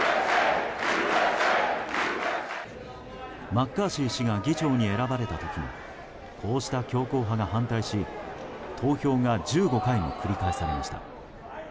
マッカーシー氏が議長に選ばれた時もこうした強硬派が反対し投票が１５回も繰り返されました。